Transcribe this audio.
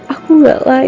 untuk memulai hidup baru